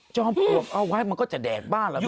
จอมปลวกเอาไว้มันก็จะแดดบ้าหรอ